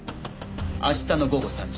「明日の午後３時。